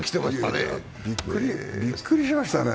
あれはびっくりしましたね。